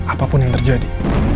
apapun yang terjadi